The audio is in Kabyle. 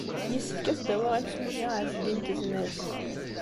Yessefk ad as-d-awiɣ imsujji i Ɛezdin n Tezmalt.